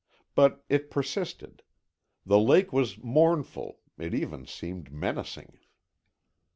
But it persisted. The lake was mournful, it even seemed menacing.